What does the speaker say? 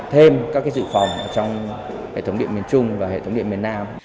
thêm các dự phòng trong hệ thống điện miền trung và hệ thống điện miền nam